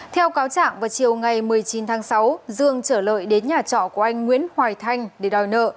theo cáo trạng vào chiều ngày một mươi chín tháng sáu dương trở lợi đến nhà trọ của anh nguyễn hoài thanh để đòi nợ